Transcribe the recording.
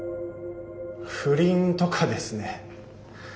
不倫とかですね。